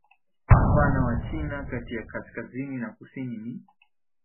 Upana wa China kati ya kaskazini na kusini ni